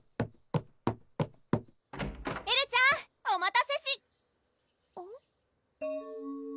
エルちゃんお待たせしうん？